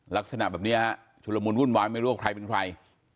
ลักษณะแบบนี้ฮะชุดละมุนวุ่นวายไม่รู้ว่าใครเป็นใคร